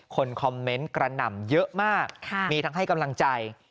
คนคอมเมนต์กระหน่ำเยอะมากมีทั้งให้กำลังใจ